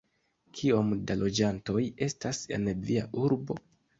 Kiom da loĝantoj estas en via urbo?